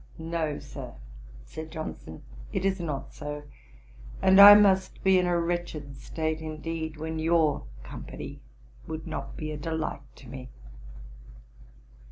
"No, Sir, (said Johnson,) it is not so; and I must be in a wretched state, indeed, when your company would not be a delight to me."